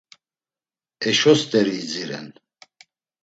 Eşo steri idziren.